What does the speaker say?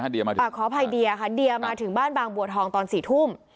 เดี๋ยวขออภัยเดียค่ะเดียมาถึงบ้านบางบัวทองตอน๔ทุ่ม